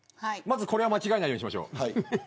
これは間違えないようにしましょう。